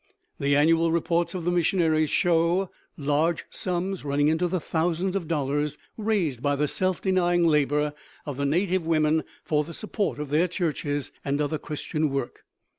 The annual reports of the missionaries show large sums, running into the thousands of dollars, raised by the self denying labor of the native women for the support of their churches and other Christian work.